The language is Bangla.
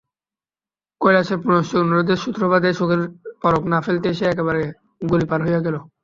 কৈলাসের পুনশ্চ অনুরোধের সূত্রপাতেই চোখের পলক না ফেলিতেই সে একেবারে গলি পার হইয়া গেল।